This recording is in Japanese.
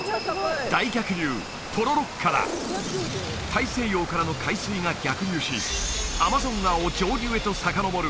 大逆流ポロロッカだ大西洋からの海水が逆流しアマゾン川を上流へとさかのぼる